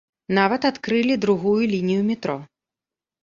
Нават адкрылі другую лінію метро.